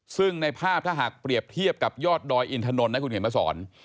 ซึ่งในภาพถ้าหากเปรียบเทียบกับยอดดอยอินทนนท์น่าคุณเห็นประสอร์น